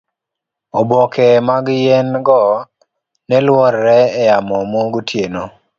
oboke mag yien go neluorre e yamo magotieno